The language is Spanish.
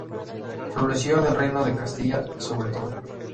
Floreció en el reino de Castilla, sobre todo.